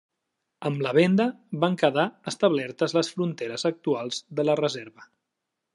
Amb la venda van quedar establertes les fronteres actuals de la reserva.